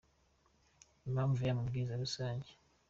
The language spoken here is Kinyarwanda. Impamvu y’aya mabwiriza rusange